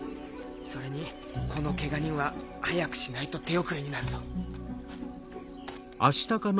それにこのケガ人は早くしないと手遅れになるぞ。